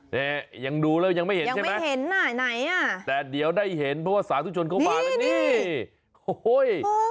เนี่ยยังดูแล้วยังไม่เห็นใช่ไหมแต่เดี๋ยวได้เห็นเพราะว่าสาธุชนเข้ามานี่โอ้โห้ย